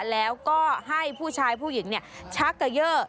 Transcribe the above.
แล้วก็ให้ผู้ชายผู้หญิงเนี่ยชักกระเย่